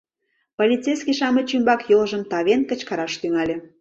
Полицейский-шамыч ӱмбак йолжым тавен кычкыраш тӱҥале: